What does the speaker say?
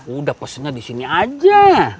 udah pesennya disini aja